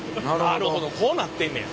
なるほどこうなってんねや。